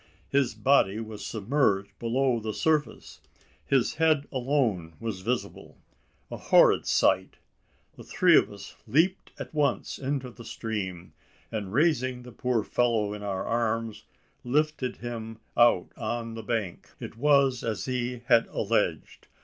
His body was submerged below the surface. His head alone was visible a horrid sight! The three of us leaped at once into the stream; and, raising the poor fellow in our arms, lifted him out on the bank. It was as he had alleged.